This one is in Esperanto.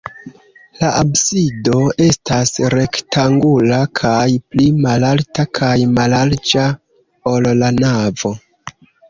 La absido estas rektangula kaj pli malalta kaj mallarĝa, ol la navo.